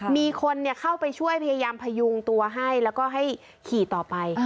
มีคนเข้าไปช่วยพยายามพยุงตัวให้แล้วก็ให้ขี่ต่อไป